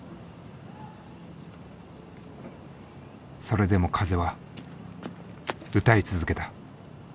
それでも風は歌い続けた。